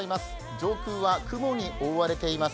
上空は雲に覆われています。